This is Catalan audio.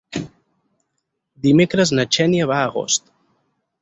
Dimecres na Xènia va a Agost.